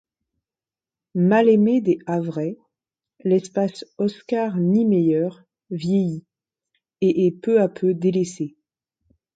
Mal-aimé des Havrais, l’Espace Oscar Niemeyer vieillit et est peu à peu délaissé.